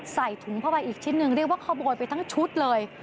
ใส่ถุงเข้าไปอีกชิ้นหนึ่งเรียกว่าขโมยไปทั้งชุดเลย